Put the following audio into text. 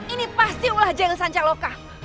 ini pasti ulah jengel sanca loka